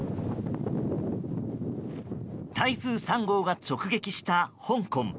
台風３号が直撃した香港。